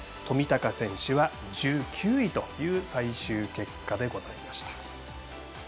冨高選手は１９位という最終結果でございました。